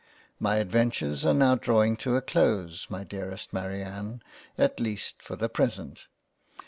My adventures are now drawing to a close my dearest Marianne ; at least for the present.